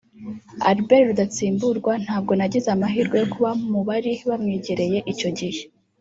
Albert Rudatsimburwa ntabwo nagize amahirwe yo kuba mu bari bamwegereye icyo gihe